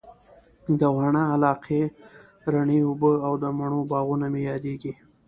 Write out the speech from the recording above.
د واڼه علاقې رڼې اوبه او د مڼو باغونه مي ياديږي